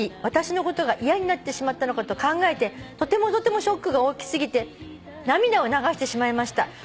私のことが嫌になってしまったのかと考えてとてもとてもショックが大きすぎて涙を流してしまいました」